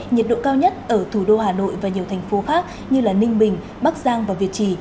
nhiệt độ cao nhất ở thủ đô hà nội và nhiều thành phố khác như ninh bình bắc giang và việt trì